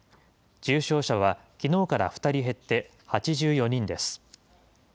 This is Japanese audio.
重症者はきのうから２人減って、８４人です。